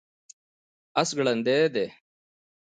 اس ګړندی دی